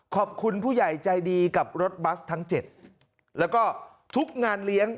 ขอบคุณผู้ใหญ่ใจดีกับรถบัสทั้ง๗แล้วก็ทุกงานเลี้ยง